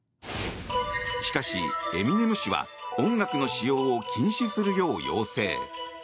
しかし、エミネム氏は音楽の使用を禁止するよう要請。